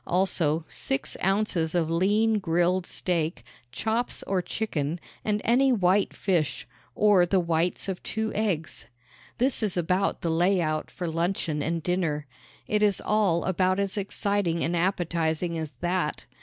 Also, six ounces of lean grilled steak, chops or chicken, and any white fish or the whites of two eggs. This is about the layout for luncheon and dinner. It is all about as exciting and appetizing as that.